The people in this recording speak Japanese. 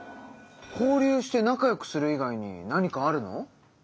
交流して仲良くする以外に何かあるの？